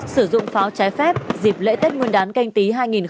sử dụng pháo trái phép dịp lễ tết nguyên đán canh tí hai nghìn hai mươi